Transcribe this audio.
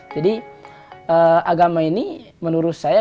jadi agama ini menurut saya